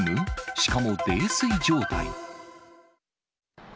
しかも泥酔状態。